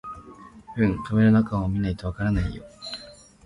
うん、紙の中を見ないとわからないよ